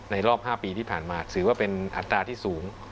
รอบ๕ปีที่ผ่านมาถือว่าเป็นอัตราที่สูง